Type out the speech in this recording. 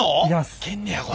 いけんねやこれ。